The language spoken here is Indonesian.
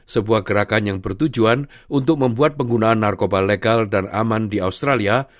sebuah gerakan yang bertujuan untuk membuat penggunaan narkoba legal dan aman di australia